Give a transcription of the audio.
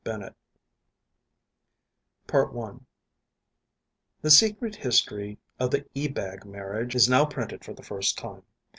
THE CAT AND CUPID I The secret history of the Ebag marriage is now printed for the first time.